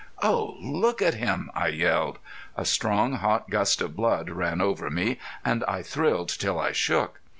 "Oh! look at him!" I yelled. A strong, hot gust of blood ran all over me and I thrilled till I shook.